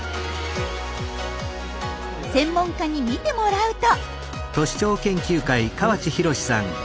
専門家に見てもらうと。